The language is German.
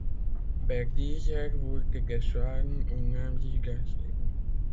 Aber dieser wurde geschlagen und nahm sich das Leben.